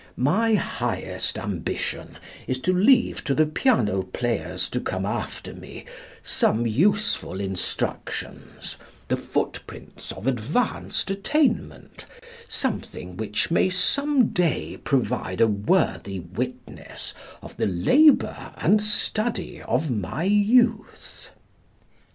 My highest ambition is to leave to the piano players to come after me, some useful instructions, the footprints of advanced attainment, something which may some day provide a worthy witness of the labor and study of my youth."